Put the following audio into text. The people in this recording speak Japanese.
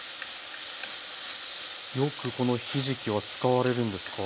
よくこのひじきは使われるんですか？